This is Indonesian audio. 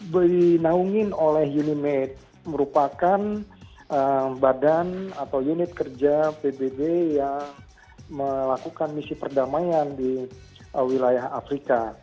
binaungin oleh uni mate merupakan badan atau unit kerja pbb yang melakukan misi perdamaian di wilayah afrika